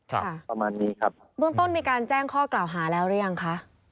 ประมาณนี้ครับเบื้องต้นมีการแจ้งข้อกล่าวหาแล้วหรือยังคะ